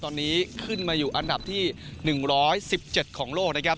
ตอนนี้ขึ้นมาอยู่อันดับที่๑๑๗ของโลกนะครับ